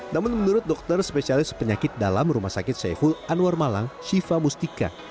namun menurut dokter spesialis penyakit dalam rumah sakit saiful anwar malang shiva mustika